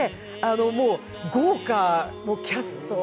もう豪華キャスト。